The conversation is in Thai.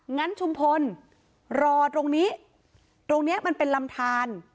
ฉุมพลรอตรงนี้ตรงนี้มันเป็นลำทาน